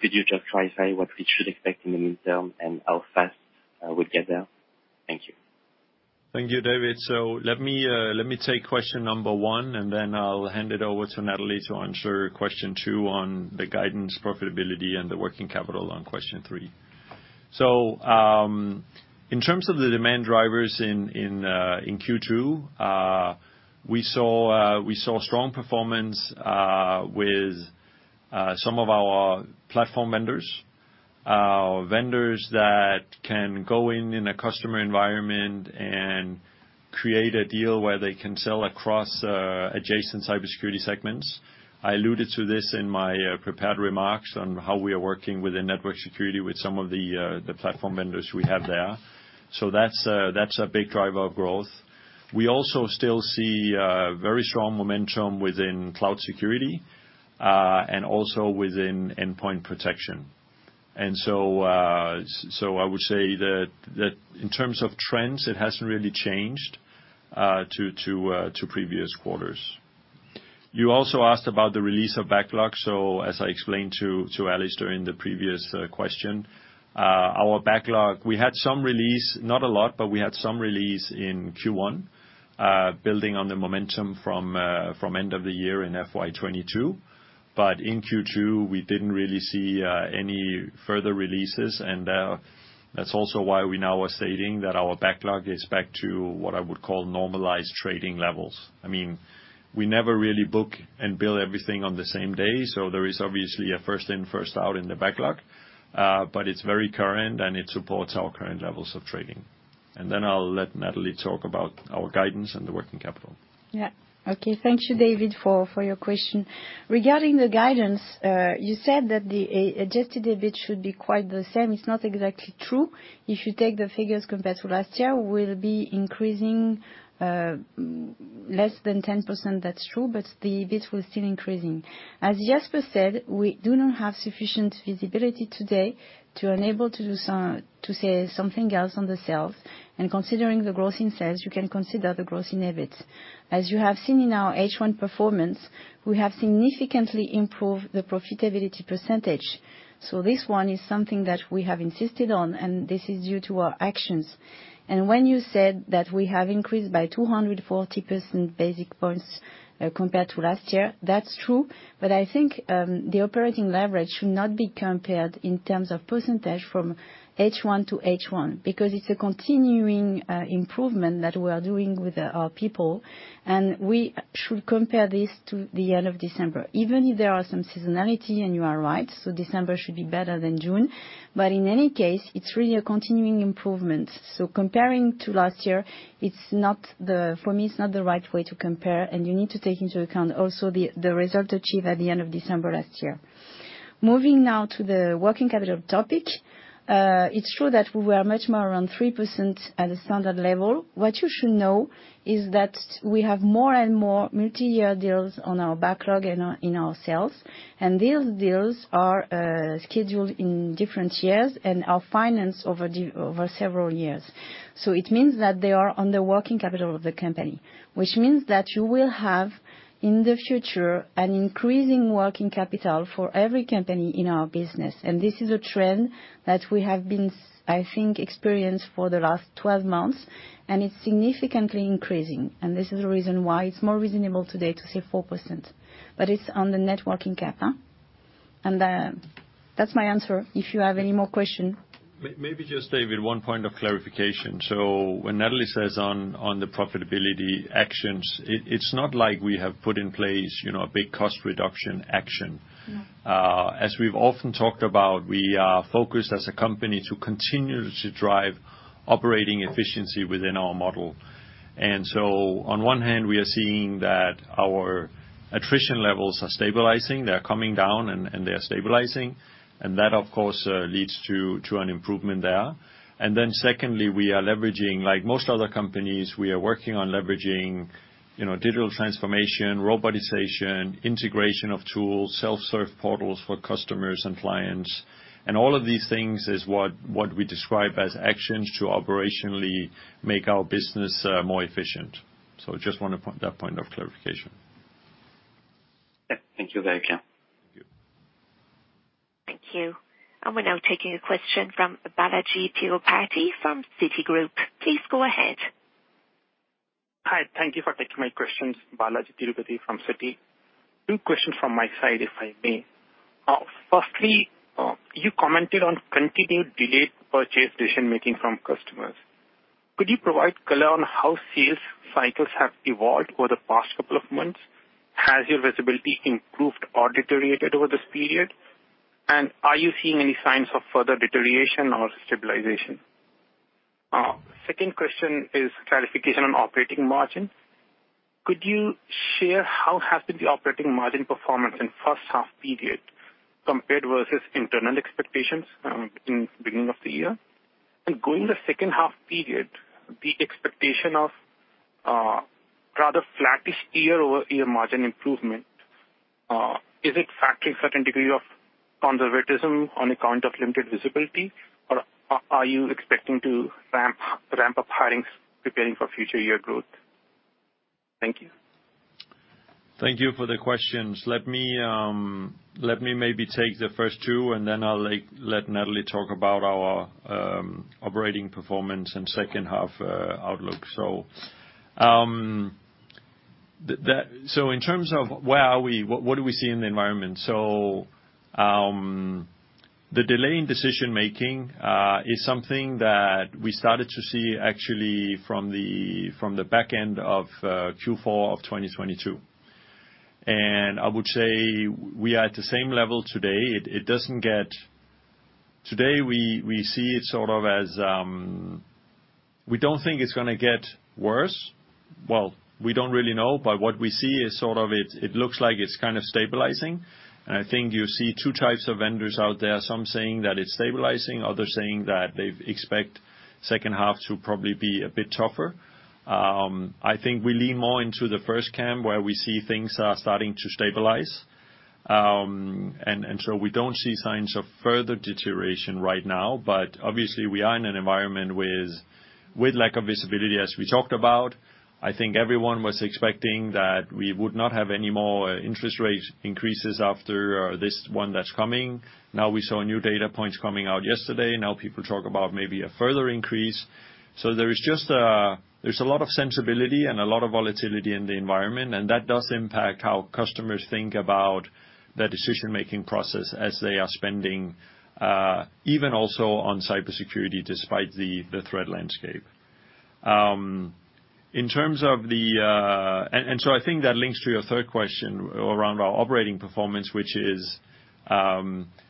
Could you just clarify what we should expect in the meantime, and how fast we'll get there? Thank you. Thank you, David. Let me, let me take question number 1, and then I'll hand it over to Nathalie to answer question 2 on the guidance profitability and the working capital on question 3. In terms of the demand drivers in, in Q2, we saw, we saw strong performance with some of our platform vendors. Vendors that can go in, in a customer environment and create a deal where they can sell across adjacent cybersecurity segments. I alluded to this in my prepared remarks on how we are working within network security with some of the platform vendors we have there. That's a, that's a big driver of growth. We also still see very strong momentum within cloud security and also within endpoint protection. I would say that, that in terms of trends, it hasn't really changed to, to previcous quarters. You also asked about the release of backlog. As I explained to, to Alistair in the previous question, our backlog, we had some release, not a lot, but we had some release in Q1, building on the momentum from end of the year in FY 2022. In Q2, we didn't really see any further releases, and that's also why we now are stating that our backlog is back to what I would call normalized trading levels. I mean, we never really book and bill everything on the same day, so there is obviously a first in, first out in the backlog. It's very current, and it supports our current levels of trading. Then I'll let Nathalie talk about our guidance and the working capital. Yeah. Okay. Thank you, David, for your question. Regarding the guidance, you said that the adjusted EBIT should be quite the same. It's not exactly true. If you take the figures compared to last year, we'll be increasing less than 10%, that's true, but the EBIT was still increasing. As Jesper said, we do not have sufficient visibility today to enable to say something else on the sales. Considering the growth in sales, you can consider the growth in EBIT. As you have seen in our H1 performance, we have significantly improved the profitability percentage. This one is something that we have insisted on, and this is due to our actions. When you said that we have increased by 240% basic points, compared to last year, that's true, but I think the operating leverage should not be compared in terms of percentage from H1 to H1, because it's a continuing improvement that we are doing with our people, and we should compare this to the end of December. Even if there are some seasonality, and you are right, so December should be better than June, but in any case, it's really a continuing improvement. Comparing to last year, it's not the for me, it's not the right way to compare, and you need to take into account also the result achieved at the end of December last year. Moving now to the working capital topic. It's true that we were much more around 3% at a standard level. What you should know is that we have more and more multi-year deals on our backlog and in our sales, and these deals are scheduled in different years and are financed over several years. It means that they are on the working capital of the company, which means that you will have, in the future, an increasing working capital for every company in our business. This is a trend that we have been, I think, experienced for the last 12 months, and it's significantly increasing. This is the reason why it's more reasonable today to say 4%, but it's on the net working capital. That's my answer, if you have any more question. Maybe just, David, one point of clarification. When Nathalie says on, on the profitability actions, it, it's not like we have put in place, you know, a big cost reduction action. No. As we've often talked about, we are focused as a company to continue to drive operating efficiency within our model. On one hand, we are seeing that our attrition levels are stabilizing. They are coming down, and, and they are stabilizing, and that, of course, leads to, to an improvement there. Secondly, we are leveraging Like most other companies, we are working on leveraging, you know, digital transformation, robotization, integration of tools, self-serve portals for customers and clients. All of these things is what, what we describe as actions to operationally make our business more efficient. Just want to point that point of clarification. Yeah. Thank you very much. Thank you. Thank you. We're now taking a question from Balajee Tirupati from Citigroup. Please go ahead. Hi. Thank you for taking my questions. Balajee Tirupati from Citi. Two questions from my side, if I may. Firstly, you commented on continued delayed purchase decision-making from customers. Could you provide color on how sales cycles have evolved over the past couple of months? Has your visibility improved or deteriorated over this period, and are you seeing any signs of further deterioration or stabilization? Second question is clarification on operating margin. Could you share how has been the operating margin performance in H1 period compared versus internal expectations in beginning of the year? Going the H2 period, the expectation of rather flattish year-over-year margin improvement, is it factoring certain degree of conservatism on account of limited visibility, or are you expecting to ramp up hirings, preparing for future year growth? Thank you. Thank you for the questions. Let me, let me maybe take the first two, and then I'll, like, let Nathalie talk about our operating performance and H2 outlook. In terms of where are we, what, what do we see in the environment? The delay in decision-making is something that we started to see actually from the, from the back end of Q4 of 2022. I would say we are at the same level today. Today, we, we see it sort of as, we don't think it's gonna get worse. Well, we don't really know, but what we see is sort of it, it looks like it's kind of stabilizing. I think you see 2 types of vendors out there, some saying that it's stabilizing, others saying that they've expect H2 to probably be a bit tougher. I think we lean more into the 1st camp, where we see things are starting to stabilize. We don't see signs of further deterioration right now, but obviously, we are in an environment with, with lack of visibility, as we talked about. I think everyone was expecting that we would not have any more interest rate increases after this one that's coming. Now, we saw new data points coming out yesterday. Now, people talk about maybe a further increase. There is just a, there's a lot of sensibility and a lot of volatility in the environment, and that does impact how customers think about their decision-making process as they are spending, even also on cybersecurity, despite the, the threat landscape. In terms of the... I think that links to your third question around our operating performance, which is,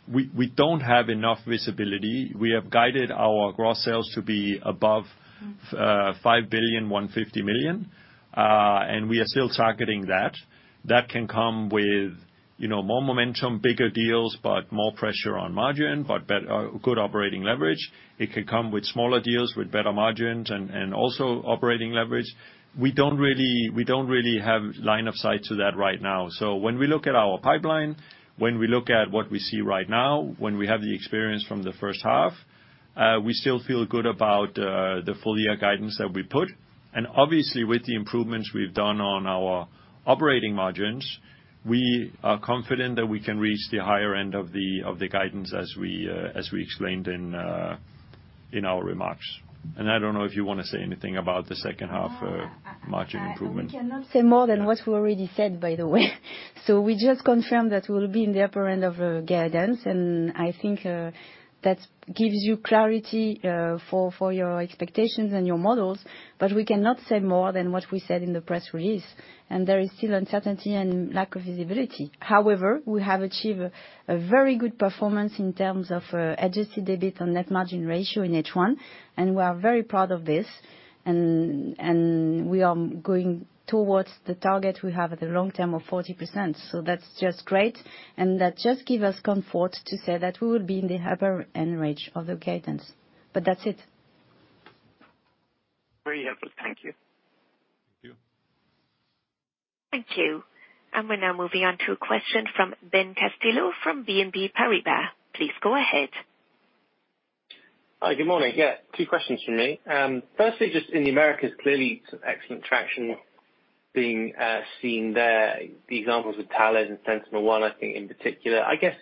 we, we don't have enough visibility. We have guided our gross sales to be above, 5.15 billion, and we are still targeting that. That can come with, you know, more momentum, bigger deals, but more pressure on margin, but better, good operating leverage. It could come with smaller deals, with better margins and, and also operating leverage. We don't really, we don't really have line of sight to that right now. When we look at our pipeline, when we look at what we see right now, when we have the experience from the H1, we still feel good about the full year guidance that we put. Obviously, with the improvements we've done on our operating margins, we are confident that we can reach the higher end of the guidance as we explained in our remarks. I don't know if you want to say anything about the H2 margin improvement. We cannot say more than what we already said, by the way. We just confirmed that we'll be in the upper end of the guidance, and I think that gives you clarity for your expectations and your models, but we cannot say more than what we said in the press release, and there is still uncertainty and lack of visibility. We have achieved a very good performance in terms of adjusted EBIT and net margin ratio in H1. We are very proud of this, and we are going towards the target we have at the long term of 40%. That's just great, and that just give us comfort to say that we will be in the upper end range of the guidance, but that's it. Very helpful. Thank you. Thank you. Thank you. We're now moving on to a question from Ben Castillo-Bernaus from BNP Paribas. Please go ahead. Hi, good morning. Yeah, 2 questions from me. Firstly, just in the Americas, clearly some excellent traction being seen there. The examples with Thales and SentinelOne, I think, in particular. I guess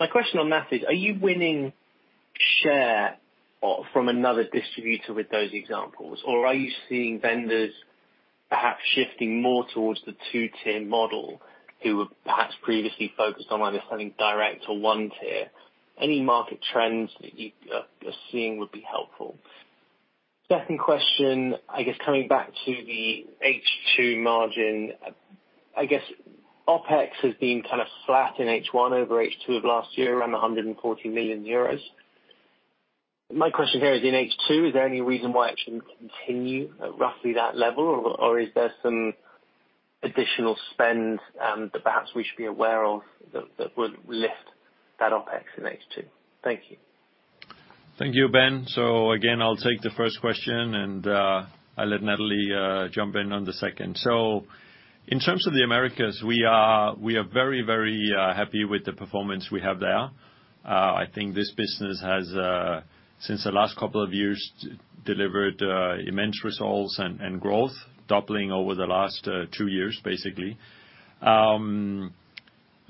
my question on that is: Are you winning share or from another distributor with those examples, or are you seeing vendors perhaps shifting more towards the two-tier model, who were perhaps previously focused on understanding direct or one tier? Any market trends that you are seeing would be helpful? Second question, I guess coming back to the H2 margin, I guess, OpEx has been kind of flat in H1 over H2 of last year, around 140 million euros. My question here is, in H2, is there any reason why it shouldn't continue at roughly that level, or, or is there some additional spend, that perhaps we should be aware of that, that would lift that OpEx in H2? Thank you. Thank you, Ben. Again, I'll take the first question, and I'll let Nathalie jump in on the second. In terms of the Americas, we are, we are very, very happy with the performance we have there. I think this business has since the last couple of years delivered immense results and growth, doubling over the last 2 years, basically.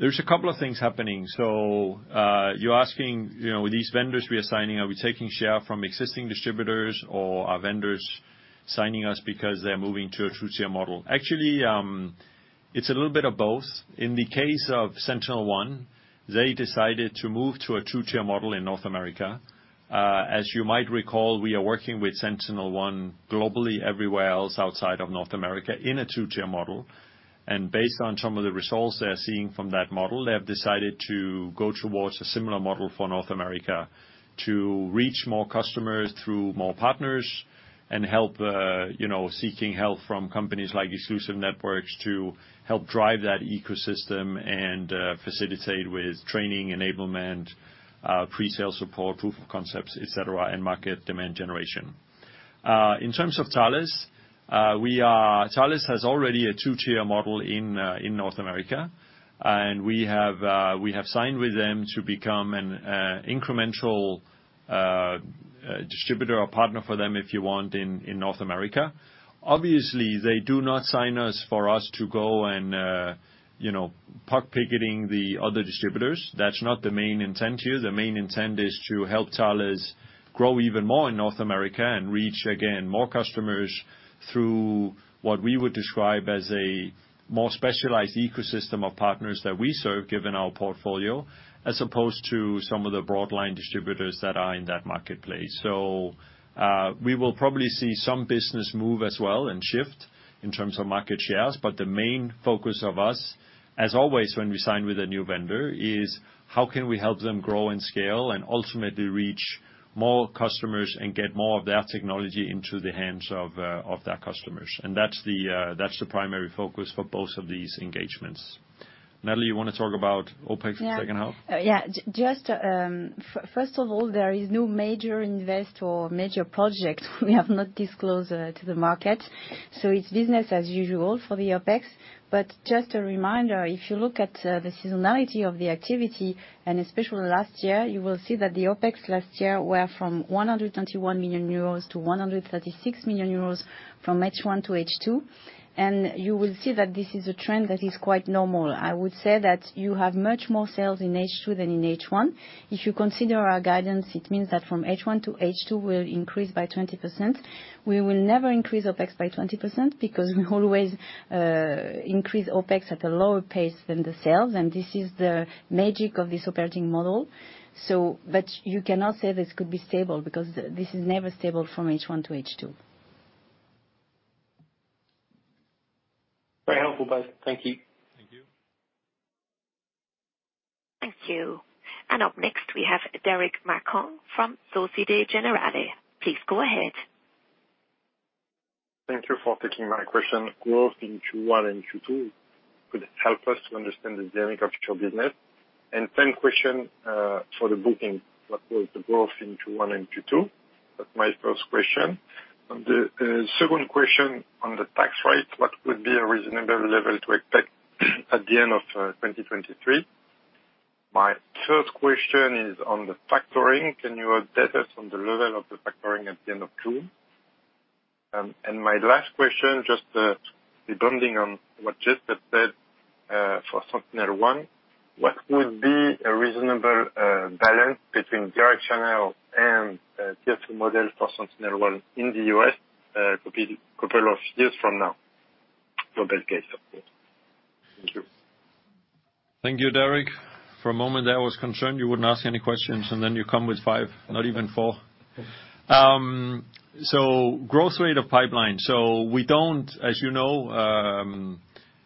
There's a couple of things happening. You're asking, you know, with these vendors we are signing, are we taking share from existing distributors, or are vendors signing us because they're moving to a 2-tier model? Actually, it's a little bit of both. In the case of SentinelOne, they decided to move to a 2-tier model in North America. As you might recall, we are working with SentinelOne globally, everywhere else outside of North America, in a two-tier model, and based on some of the results they are seeing from that model, they have decided to go towards a similar model for North America to reach more customers through more partners and help, you know, seeking help from companies like Exclusive Networks to help drive that ecosystem and facilitate with training, enablement, pre-sale support, proof of concepts, et cetera, and market demand generation. In terms of Thales, Thales has already a two-tier model in North America, and we have signed with them to become an incremental distributor or partner for them, if you want, in North America. Obviously, they do not sign us for us to go and, you know, puck picketing the other distributors. That's not the main intent here. The main intent is to help Thales grow even more in North America and reach, again, more customers through what we would describe as a more specialized ecosystem of partners that we serve, given our portfolio, as opposed to some of the broad line distributors that are in that marketplace. We will probably see some business move as well and shift in terms of market shares, but the main focus of us, as always, when we sign with a new vendor, is: How can we help them grow and scale and ultimately reach more customers and get more of their technology into the hands of, of their customers? That's the, that's the primary focus for both of these engagements. Nathalie, you want to talk about OpEx for the H2? Yeah. Just, first of all, there is no major invest or major project we have not disclosed to the market, so it's business as usual for the OpEx. Just a reminder, if you look at the seasonality of the activity, and especially last year, you will see that the OpEx last year were from 121 million euros to 136 million euros from H1 to H2. You will see that this is a trend that is quite normal. I would say that you have much more sales in H2 than in H1. If you consider our guidance, it means that from H1 to H2, will increase by 20%. We will never increase OpEx by 20%, because we always increase OpEx at a lower pace than the sales, and this is the magic of this operating model. You cannot say this could be stable, because this is never stable from H1 to H2. Very helpful, guys. Thank you. Thank you. Thank you. Up next, we have Deric Marcon from Société Générale. Please go ahead. Thank you for taking my question. Growth in Q1 and Q2 could help us to understand the dynamic of your business. Same question, for the booking, what was the growth in Q1 and Q2? That's my first question. On the second question, on the tax rate, what would be a reasonable level to expect at the end of 2023? My third question is on the factoring. Can you update us on the level of the factoring at the end of Q2? My last question, just, building on what just said, for SentinelOne, what would be a reasonable balance between direct channel and tier two model for SentinelOne in the U.S., could be a couple of years from now? For best case, of course. Thank you. Thank you, Deric. For a moment there, I was concerned you wouldn't ask any questions, and then you come with 5, not even 4. growth rate of pipeline. We don't, as you know,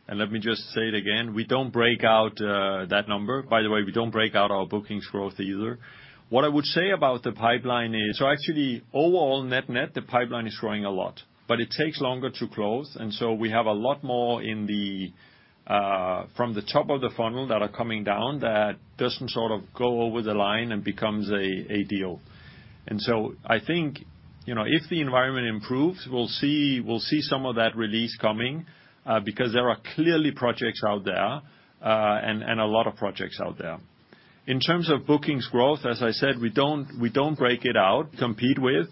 and let me just say it again, we don't break out that number. By the way, we don't break out our bookings growth either. What I would say about the pipeline is... Actually, overall, net, net, the pipeline is growing a lot, but it takes longer to close, we have a lot more in the from the top of the funnel that are coming down that doesn't sort of go over the line and becomes a, a deal. I think-... You know, if the environment improves, we'll see, we'll see some of that release coming, because there are clearly projects out there, and, and a lot of projects out there. In terms of bookings growth, as I said, we don't, we don't break it out, compete with.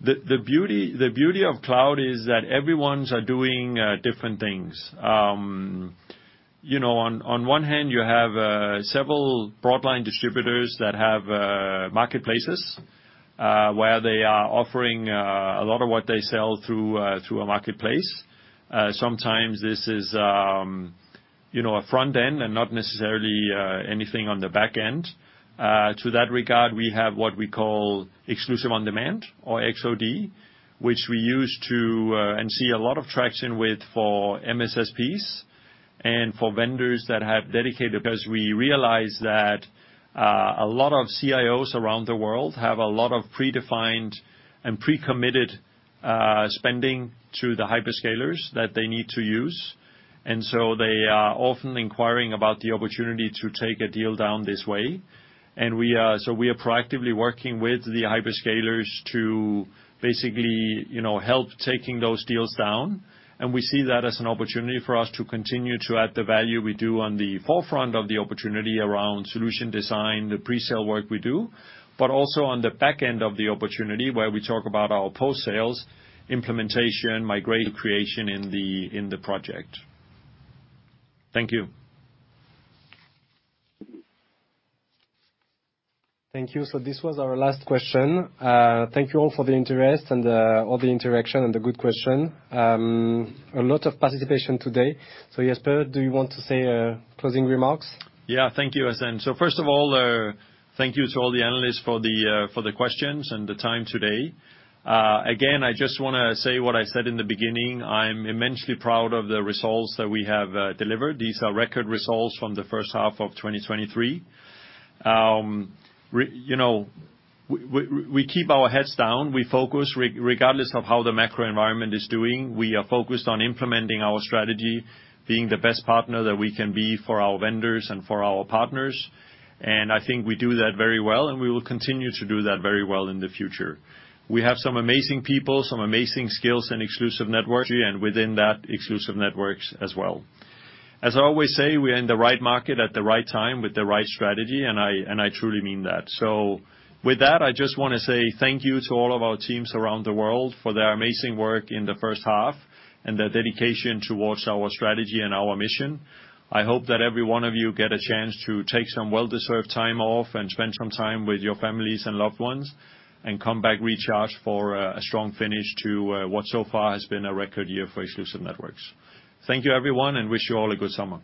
The, the beauty, the beauty of cloud is that everyone's are doing different things. You know, on, on one hand, you have several broad line distributors that have marketplaces, where they are offering a lot of what they sell through through a marketplace. Sometimes this is, you know, a front end and not necessarily anything on the back end. To that regard, we have what we call Exclusive On Demand, or XOD, which we use to, and see a lot of traction with for MSSPs and for vendors that have dedicated-- Because we realize that a lot of CIOs around the world have a lot of predefined and pre-committed spending to the hyperscalers that they need to use, and so they are often inquiring about the opportunity to take a deal down this way. We are proactively working with the hyperscalers to basically, you know, help taking those deals down. We see that as an opportunity for us to continue to add the value we do on the forefront of the opportunity around solution design, the presale work we do. Also on the back end of the opportunity, where we talk about our post-sales implementation, migrate creation in the, in the project. Thank you. Thank you. This was our last question. Thank you all for the interest and all the interaction and the good question. A lot of participation today. Jesper, do you want to say closing remarks? Yeah, thank you, Hacene. First of all, thank you to all the analysts for the questions and the time today. Again, I just wanna say what I said in the beginning, I'm immensely proud of the results that we have delivered. These are record results from the H1 of 2023. You know, we keep our heads down, we focus. Regardless of how the macro environment is doing, we are focused on implementing our strategy, being the best partner that we can be for our vendors and for our partners. I think we do that very well, and we will continue to do that very well in the future. We have some amazing people, some amazing skills and Exclusive Networks, and within that, Exclusive Networks as well. As I always say, we are in the right market at the right time with the right strategy, and I, and I truly mean that. With that, I just wanna say thank you to all of our teams around the world for their amazing work in the H1 and their dedication towards our strategy and our mission. I hope that every one of you get a chance to take some well-deserved time off and spend some time with your families and loved ones, and come back recharged for a strong finish to what so far has been a record year for Exclusive Networks. Thank you, everyone, and wish you all a good summer.